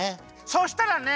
そしたらね